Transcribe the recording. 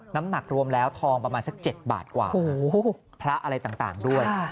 น้ำหนักรวมแล้วทองประมาณสัก๗บาทกว่าพระอะไรต่างด้วย